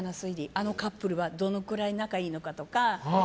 あのカップルは、どのくらい仲いいのかとか。